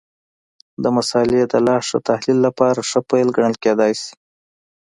د مسألې د لا ښه تحلیل لپاره ښه پیل ګڼل کېدای شي.